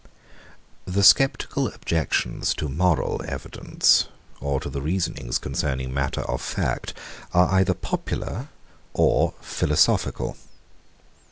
The sceptical objections to moral evidence, or to the reasonings concerning matter of fact, are either popular or philosophical.